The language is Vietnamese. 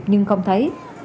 nhưng không thấy ông